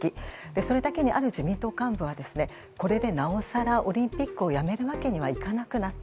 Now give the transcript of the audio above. それだけに、ある自民党幹部はこれでなおさらオリンピックをやめるわけにはいかなくなった。